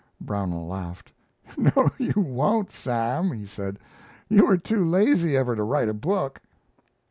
Brownell laughed. "No, you won't, Sam," he said. "You are too lazy ever to write a book."